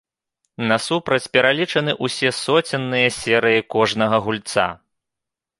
Насупраць пералічаны ўсе соценныя серыі кожнага гульца.